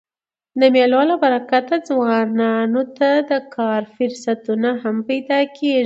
د مېلو له برکته ځوانانو ته د کار فرصتونه هم پیدا کېږي.